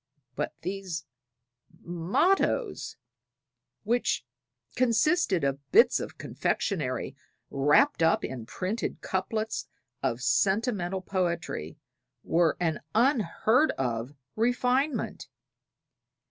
But these mottoes, which consisted of bits of confectionery wrapped up in printed couplets of sentimental poetry, were an unheard of refinement.